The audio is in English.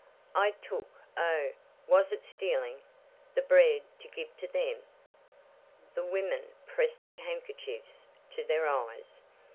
"I took oh, was it stealing? The bread to give to them!" The women pressed their handkerchiefs to their eyes.